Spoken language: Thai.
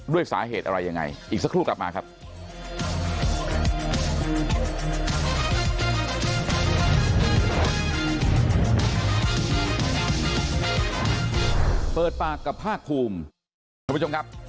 ด้วยสาเหตุอะไรยังไงอีกสักครู่กลับมาครับ